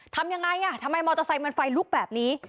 ทำยังไงอ่ะทำไมมอเตอร์ไซค์มันไฟลุกแบบนี้